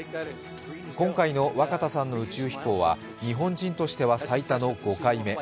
今回の若田さんの宇宙飛行は日本人としては最多の５回目。